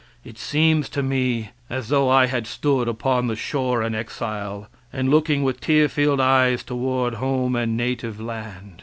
It seems to me as though I had stood upon the shore an exile and looking with tear filled eyes toward home and native land.